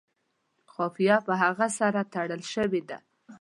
قافیه په هغه سره تړلې شوې ده.